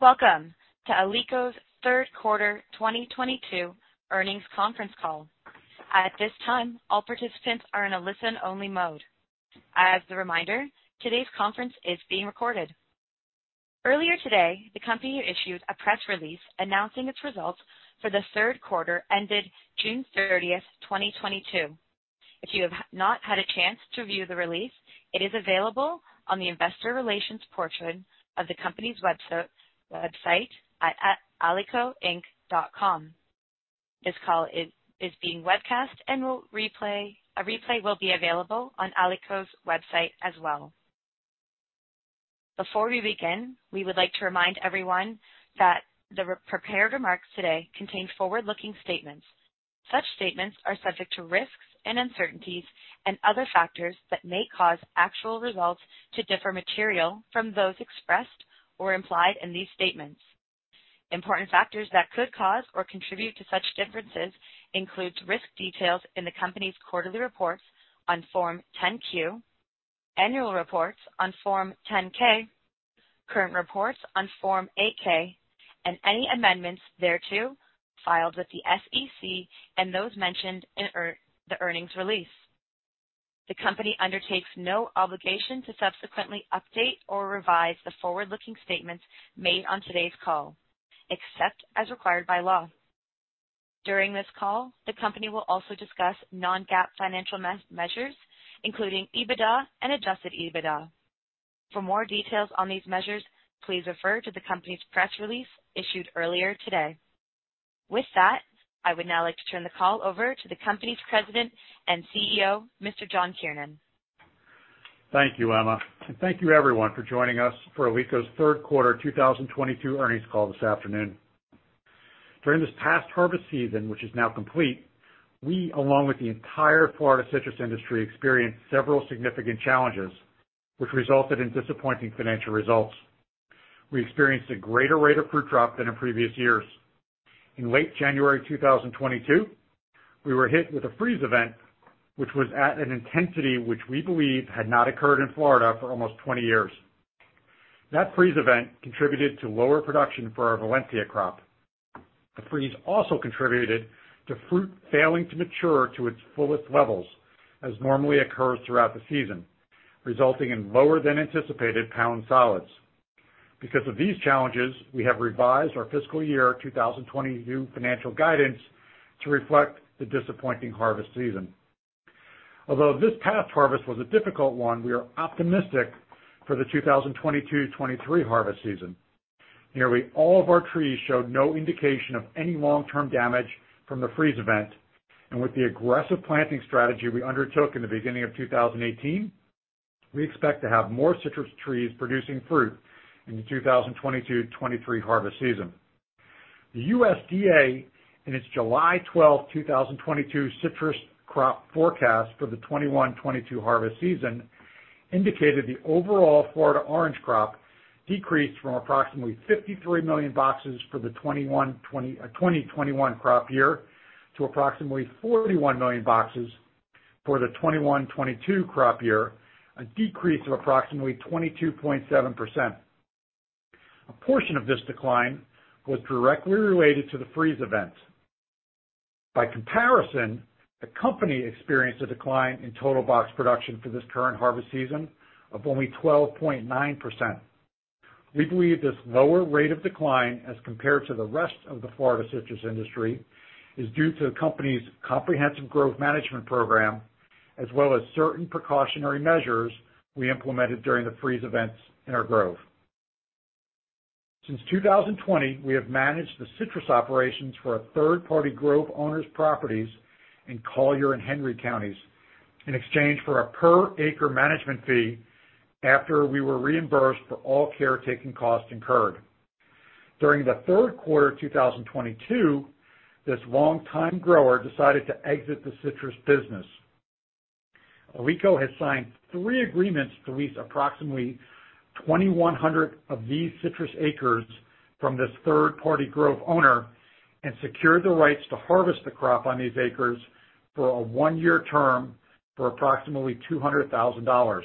Welcome to Alico's third quarter 2022 earnings conference call. At this time, all participants are in a listen-only mode. As a reminder, today's conference is being recorded. Earlier today, the company issued a press release announcing its results for the third quarter ended June 30th, 2022. If you have not had a chance to view the release, it is available on the investor relations portion of the company's website at alicoinc.com. This call is being webcast and a replay will be available on Alico's website as well. Before we begin, we would like to remind everyone that the prepared remarks today contain forward-looking statements. Such statements are subject to risks and uncertainties and other factors that may cause actual results to differ materially from those expressed or implied in these statements. Important factors that could cause or contribute to such differences includes risk details in the company's quarterly reports on Form 10-Q, annual reports on Form 10-K, current reports on Form 8-K, and any amendments thereto filed with the SEC and those mentioned in the earnings release. The company undertakes no obligation to subsequently update or revise the forward-looking statements made on today's call, except as required by law. During this call, the company will also discuss non-GAAP financial measures, including EBITDA and adjusted EBITDA. For more details on these measures, please refer to the company's press release issued earlier today. With that, I would now like to turn the call over to the company's President and CEO, Mr. John Kiernan. Thank you, Emma. Thank you everyone for joining us for Alico's third quarter 2022 earnings call this afternoon. During this past harvest season, which is now complete, we along with the entire Florida citrus industry, experienced several significant challenges which resulted in disappointing financial results. We experienced a greater rate of fruit drop than in previous years. In late January 2022, we were hit with a freeze event which was at an intensity which we believe had not occurred in Florida for almost 20 years. That freeze event contributed to lower production for our Valencia crop. The freeze also contributed to fruit failing to mature to its fullest levels as normally occurs throughout the season, resulting in lower than anticipated pound solids. Because of these challenges, we have revised our fiscal year 2022 financial guidance to reflect the disappointing harvest season. Although this past harvest was a difficult one, we are optimistic for the 2022/2023 harvest season. Nearly all of our trees showed no indication of any long-term damage from the freeze event. With the aggressive planting strategy we undertook in the beginning of 2018, we expect to have more citrus trees producing fruit in the 2022/2023 harvest season. The USDA, in its July 12, 2022 citrus crop forecast for the 2021/2022 harvest season, indicated the overall Florida orange crop decreased from approximately 53 million boxes for the 2021 crop year to approximately 41 million boxes for the 2021/2022 crop year, a decrease of approximately 22.7%. A portion of this decline was directly related to the freeze event. By comparison, the company experienced a decline in total box production for this current harvest season of only 12.9%. We believe this lower rate of decline as compared to the rest of the Florida citrus industry is due to the company's comprehensive growth management program, as well as certain precautionary measures we implemented during the freeze events in our groves. Since 2020, we have managed the citrus operations for a third-party grove owner's properties in Collier and Hendry counties in exchange for a per acre management fee after we were reimbursed for all caretaking costs incurred. During the third quarter 2022, this long-time grower decided to exit the citrus business. Alico has signed three agreements to lease approximately 2,100 of these citrus acres from this third-party grove owner and secured the rights to harvest the crop on these acres for a one-year term for approximately $200,000,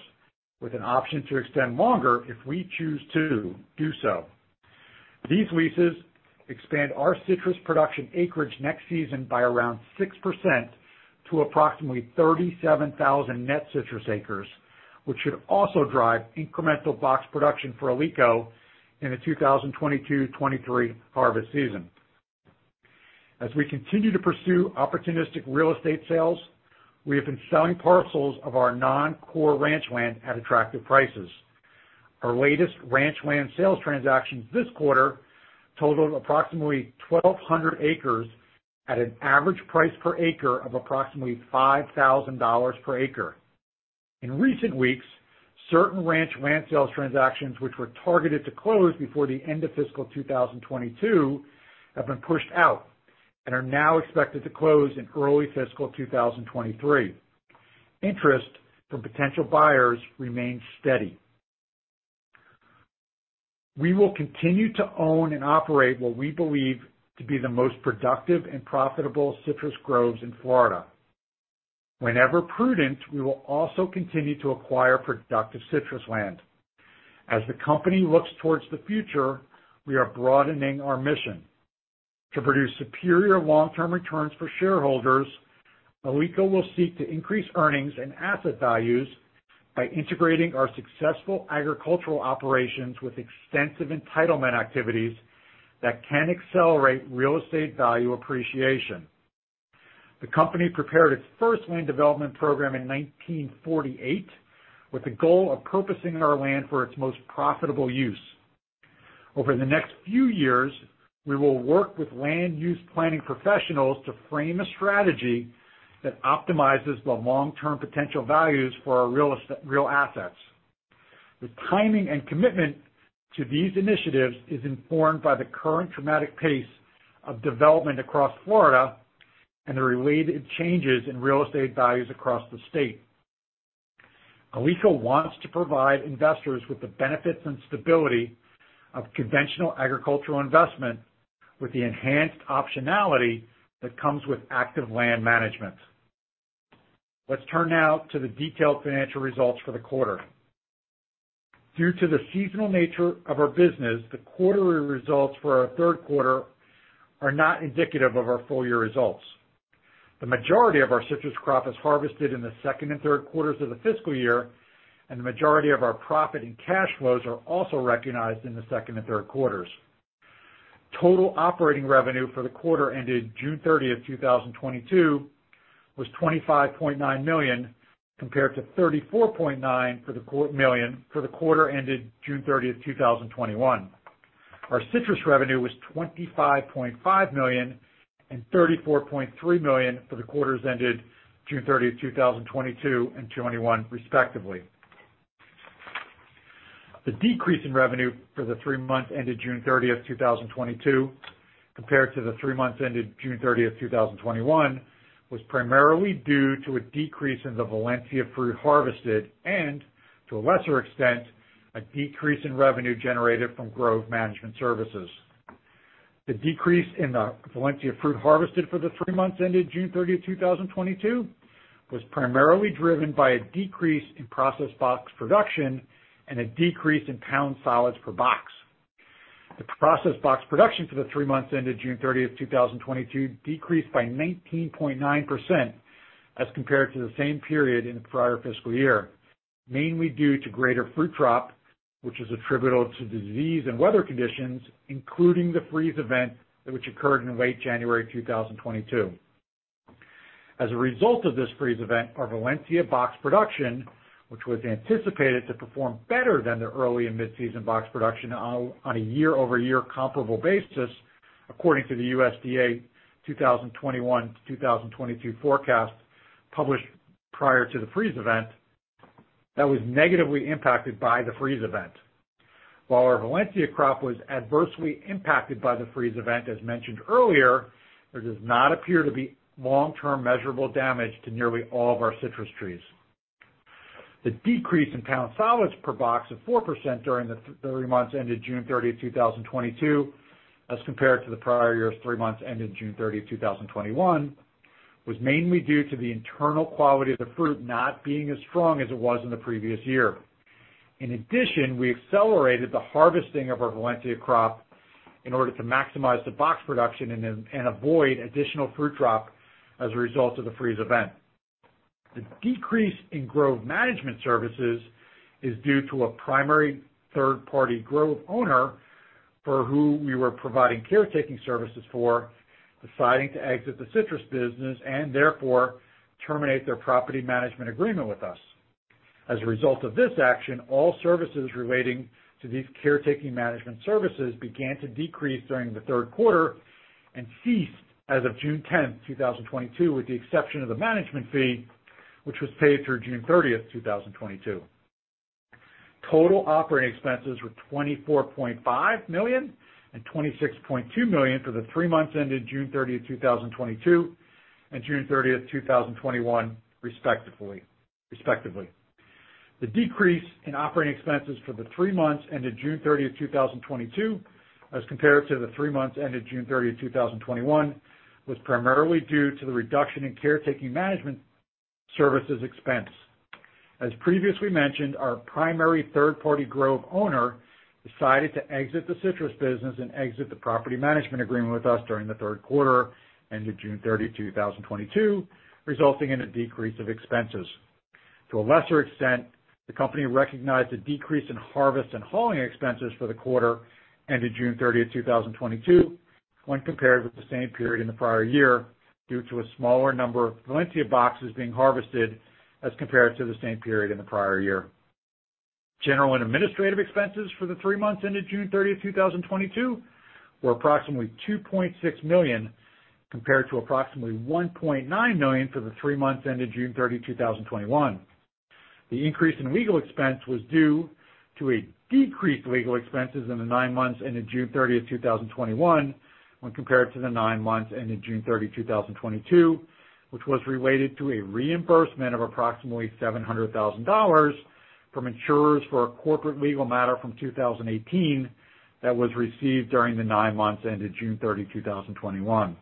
with an option to extend longer if we choose to do so. These leases expand our citrus production acreage next season by around 6% to approximately 37,000 net citrus acres, which should also drive incremental box production for Alico in the 2022/2023 harvest season. As we continue to pursue opportunistic real estate sales, we have been selling parcels of our non-core ranch land at attractive prices. Our latest ranch land sales transactions this quarter totaled approximately 1,200 acres at an average price per acre of approximately $5,000 per acre. In recent weeks, certain ranch land sales transactions which were targeted to close before the end of fiscal 2022 have been pushed out and are now expected to close in early fiscal 2023. Interest from potential buyers remains steady. We will continue to own and operate what we believe to be the most productive and profitable citrus groves in Florida. Whenever prudent, we will also continue to acquire productive citrus land. As the company looks towards the future, we are broadening our mission. To produce superior long-term returns for shareholders, Alico will seek to increase earnings and asset values by integrating our successful agricultural operations with extensive entitlement activities that can accelerate real estate value appreciation. The company prepared its first land development program in 1948 with the goal of purchasing our land for its most productive use. Over the next few years, we will work with land use planning professionals to frame a strategy that optimizes the long-term potential values for our real assets. The timing and commitment to these initiatives is informed by the current dramatic pace of development across Florida and the related changes in real estate values across the state. Alico wants to provide investors with the benefits and stability of conventional agricultural investment with the enhanced optionality that comes with active land management. Let's turn now to the detailed financial results for the quarter. Due to the seasonal nature of our business, the quarterly results for our third quarter are not indicative of our full year results. The majority of our citrus crop is harvested in the second and third quarters of the fiscal year, and the majority of our profit and cash flows are also recognized in the second and third quarters. Total operating revenue for the quarter ended June 30, 2022 was $25.9 million, compared to $34.9 million for the quarter ended June 30, 2021. Our citrus revenue was $25.5 million and $34.3 million for the quarters ended June 30, 2022 and 2021, respectively. The decrease in revenue for the three months ended June 30, 2022 compared to the three months ended June 30, 2021 was primarily due to a decrease in the Valencia fruit harvested and to a lesser extent, a decrease in revenue generated from grove management services. The decrease in the Valencia fruit harvested for the three months ended June 30, 2022 was primarily driven by a decrease in processed box production and a decrease in pound solids per box. The processed box production for the three months ended June 30, 2022 decreased by 19.9% as compared to the same period in the prior fiscal year, mainly due to greater fruit drop, which is attributable to disease and weather conditions, including the freeze event which occurred in late January 2022. As a result of this freeze event, our Valencia box production, which was anticipated to perform better than the early and mid-season box production on a year-over-year comparable basis, according to the USDA 2021 to 2022 forecast published prior to the freeze event, that was negatively impacted by the freeze event. While our Valencia crop was adversely impacted by the freeze event, as mentioned earlier, there does not appear to be long-term measurable damage to nearly all of our citrus trees. The decrease in pound solids per box of 4% during the three months ended June 30, 2022, as compared to the prior year's three months ended June 30, 2021, was mainly due to the internal quality of the fruit not being as strong as it was in the previous year. In addition, we accelerated the harvesting of our Valencia crop in order to maximize the box production and avoid additional fruit drop as a result of the freeze event. The decrease in grove management services is due to a primary third-party grove owner for who we were providing caretaking services for deciding to exit the citrus business and therefore terminate their property management agreement with us. As a result of this action, all services relating to these caretaking management services began to decrease during the third quarter and ceased as of June 10th, 2022, with the exception of the management fee, which was paid through June 30th, 2022. Total operating expenses were $24.5 million and $26.2 million for the three months ended June 30, 2022, and June 30, 2021 respectively. The decrease in operating expenses for the three months ended June 30, 2022, as compared to the three months ended June 30, 2021, was primarily due to the reduction in caretaking management services expense. As previously mentioned, our primary third-party grove owner decided to exit the citrus business and exit the property management agreement with us during the third quarter ended June 30, 2022, resulting in a decrease of expenses. To a lesser extent, the company recognized a decrease in harvest and hauling expenses for the quarter ended June 30, 2022, when compared with the same period in the prior year, due to a smaller number of Valencia boxes being harvested as compared to the same period in the prior year. General and administrative expenses for the three months ended June 30, 2022 were approximately $2.6 million, compared to approximately $1.9 million for the three months ended June 30, 2021. The increase in legal expense was due to a decreased legal expenses in the nine months ended June 30, 2021, when compared to the nine months ended June 30, 2022, which was related to a reimbursement of approximately $700,000 from insurers for a corporate legal matter from 2018 that was received during the nine months ended June 30, 2021.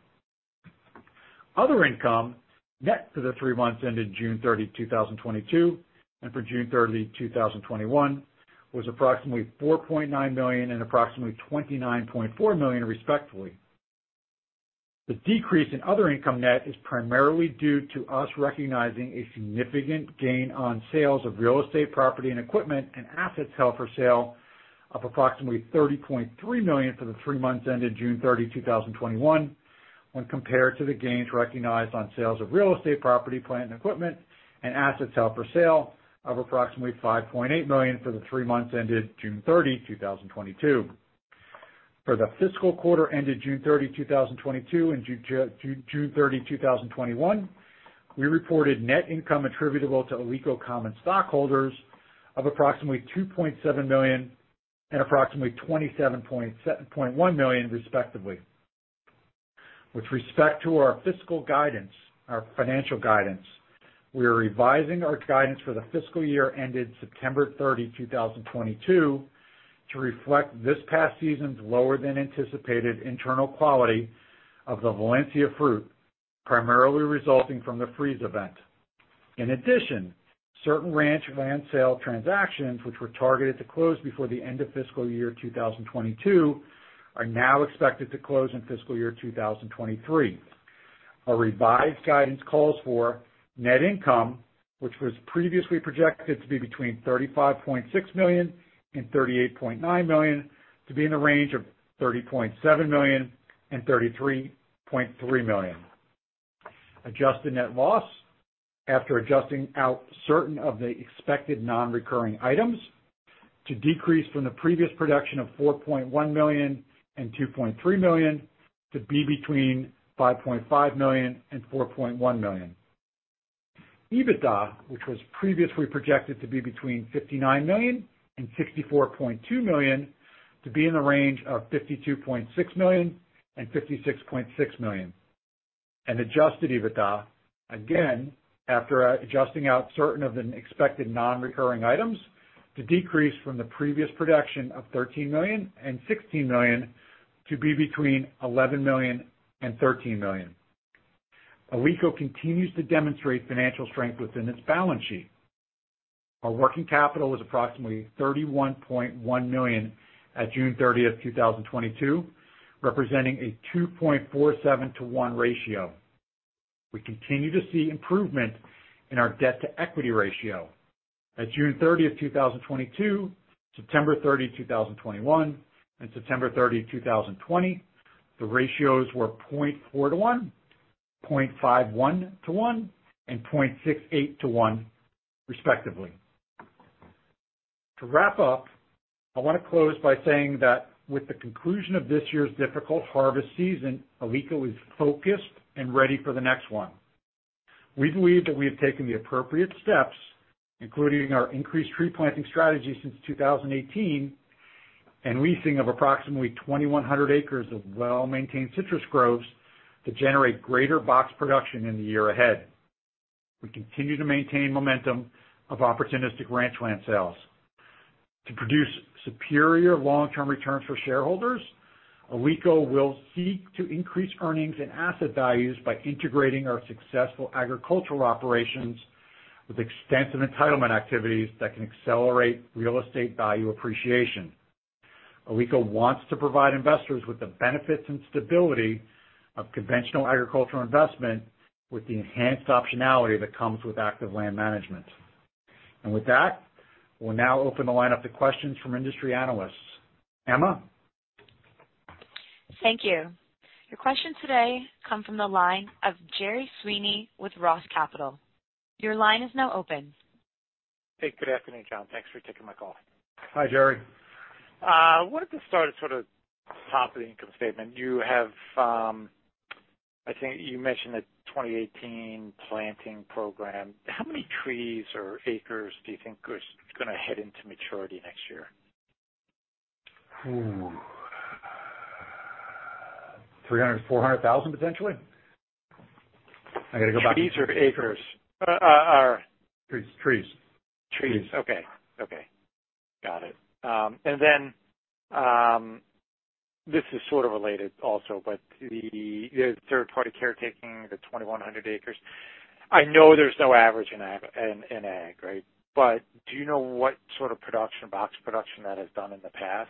Other income net for the three months ended June 30, 2022, and for June 30, 2021 was approximately $4.9 million and approximately $29.4 million, respectively. The decrease in other income, net is primarily due to us recognizing a significant gain on sales of real estate property and equipment and assets held for sale of approximately $30.3 million for the three months ended June 30, 2021 when compared to the gains recognized on sales of real estate property, plant, and equipment, and assets held for sale of approximately $5.8 million for the three months ended June 30, 2022. For the fiscal quarter ended June 30, 2022 and June 30, 2021, we reported net income attributable to Alico common stockholders of approximately $2.7 million and approximately $27.1 million, respectively. With respect to our fiscal guidance, our financial guidance, we are revising our guidance for the fiscal year ended September 30, 2022 to reflect this past season's lower than anticipated internal quality of the Valencia fruit, primarily resulting from the freeze event. In addition, certain ranch land sale transactions, which were targeted to close before the end of fiscal year 2022, are now expected to close in fiscal year 2023. Our revised guidance calls for net income, which was previously projected to be between $35.6 million and $38.9 million, to be in the range of $30.7 million and $33.3 million. Adjusted net loss after adjusting out certain of the expected non-recurring items to decrease from the previous projection of $4.1 million and $2.3 million to be between $5.5 million and $4.1 million. EBITDA, which was previously projected to be between $59 million and $64.2 million, to be in the range of $52.6 million and $56.6 million. Adjusted EBITDA, again, after adjusting out certain of the expected non-recurring items, to decrease from the previous projection of $13 million and $16 million to be between $11 million and $13 million. Alico continues to demonstrate financial strength within its balance sheet. Our working capital is approximately $31.1 million at June 30, 2022, representing a 2.47 to 1 ratio. We continue to see improvement in our debt-to-equity ratio. At June 30, 2022, September 30, 2021, and September 30, 2020, the ratios were 0.4 to 1, 0.51 to 1, and 0.68 to 1, respectively. To wrap up, I want to close by saying that with the conclusion of this year's difficult harvest season, Alico is focused and ready for the next one. We believe that we have taken the appropriate steps, including our increased tree planting strategy since 2018, and leasing of approximately 2,100 acres of well-maintained citrus groves to generate greater box production in the year ahead. We continue to maintain momentum of opportunistic ranch land sales. To produce superior long-term returns for shareholders, Alico will seek to increase earnings and asset values by integrating our successful agricultural operations with extensive entitlement activities that can accelerate real estate value appreciation. Alico wants to provide investors with the benefits and stability of conventional agricultural investment with the enhanced optionality that comes with active land management. With that, we'll now open the line up to questions from industry analysts. Emma? Thank you. Your questions today come from the line of Gerry Sweeney with ROTH Capital. Your line is now open. Hey, good afternoon, John. Thanks for taking my call. Hi, Gerry. Wanted to start at sort of top of the income statement. You have, I think you mentioned a 2018 planting program. How many trees or acres do you think is gonna head into maturity next year? $300,000-$400,000, potentially. I gotta go back. Trees or acres? Trees. Trees. Okay. Okay. Got it. This is sort of related also, but the third party caretaking, the 2,100 acres, I know there's no average in ag, right? Do you know what sort of production, box production that has done in the past?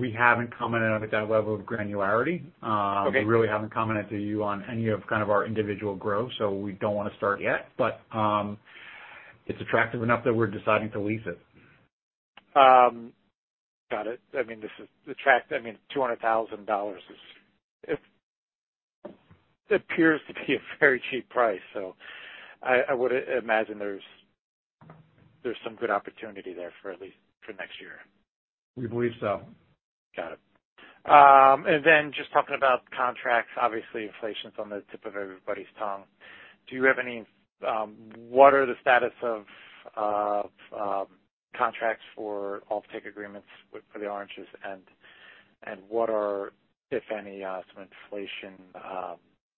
We haven't commented at that level of granularity. Okay. We really haven't commented to you on any of kind of our individual growth, so we don't wanna start yet. It's attractive enough that we're deciding to lease it. Got it. I mean, $200,000 is, it appears to be a very cheap price. I would imagine there's some good opportunity there at least for next year. We believe so. Got it. Just talking about contracts, obviously inflation's on the tip of everybody's tongue. What are the status of contracts for offtake agreements with, for the oranges? And what are, if any, some inflation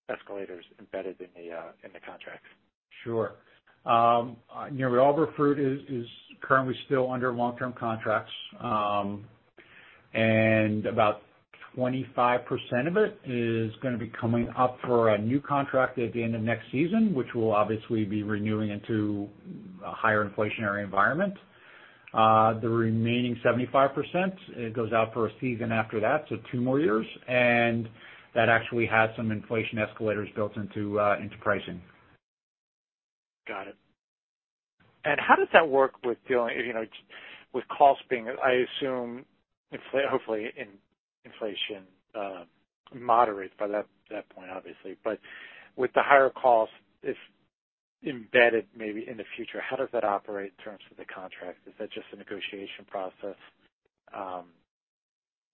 escalators embedded in the contracts? Sure. You know, all of our fruit is currently still under long-term contracts, about 25% of it is gonna be coming up for a new contract at the end of next season, which will obviously be renewing into a higher inflationary environment. The remaining 75%, it goes out for a season after that, so two more years, and that actually has some inflation escalators built into pricing. Got it. How does that work with dealing, you know, with costs being, I assume, hopefully inflation moderates by that point, obviously. With the higher costs, if embedded maybe in the future, how does that operate in terms of the contract? Is that just a negotiation process?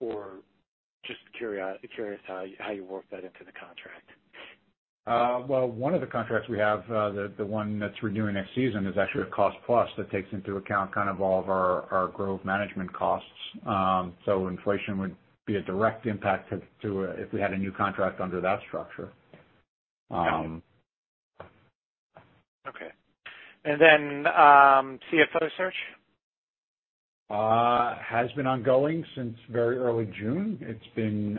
Or just curious how you work that into the contract. Well, one of the contracts we have, the one that's renewing next season, is actually a cost plus that takes into account kind of all of our growth management costs. Inflation would be a direct impact to if we had a new contract under that structure. Okay. CFO search? Has been ongoing since very early June. It's been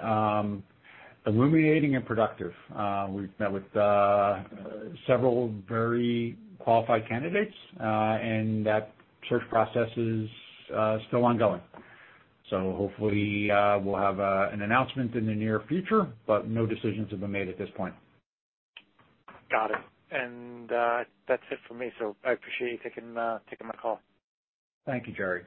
illuminating and productive. We've met with several very qualified candidates, and that search process is still ongoing. Hopefully, we'll have an announcement in the near future, but no decisions have been made at this point. Got it. That's it for me. I appreciate you taking my call. Thank you, Gerry.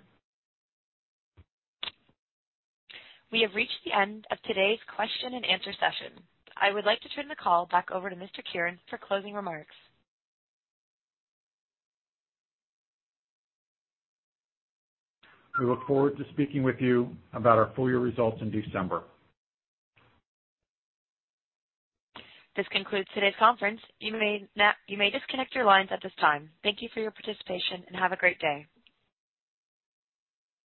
We have reached the end of today's question and answer session. I would like to turn the call back over to Mr. Kiernan for closing remarks. We look forward to speaking with you about our full year results in December. This concludes today's conference. You may disconnect your lines at this time. Thank you for your participation, and have a great day.